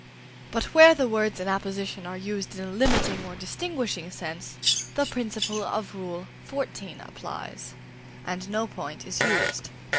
But where the words in apposition are used in a limiting or distinguishing sense, the principle of Rule XIV. applies, and no point is used.